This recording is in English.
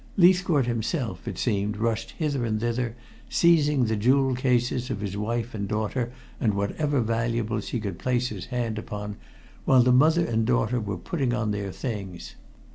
Leithcourt himself, it seemed, rushed hither and thither, seizing the jewel cases of his wife and daughter and whatever valuables he could place his hand upon, while the mother and daughter were putting on their things.